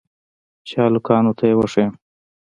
چې هلکانو ته يې وښييم.